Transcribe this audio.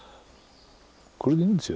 これでいいんですよ